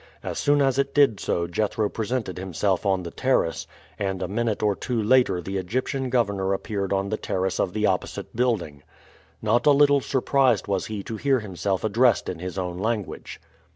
As soon as it did so Jethro presented himself on the terrace, and a minute or two later the Egyptian governor appeared on the terrace of the opposite building. Not a little surprised was he to hear himself addressed in his own language.